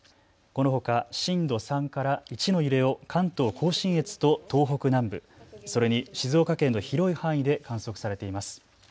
このほか震度３から１の揺れを関東甲信越と東北南部、それに静岡県の広い範囲で観測されています。